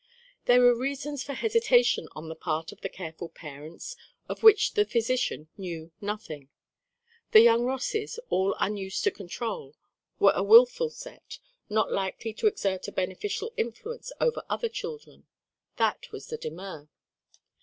There were reasons for hesitation on the part of the careful parents of which the physician knew nothing. The young Rosses, all unused to control, were a willful set not likely to exert a beneficial influence over other children; that was the demur.